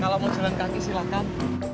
kalau mau jalan kaki silakan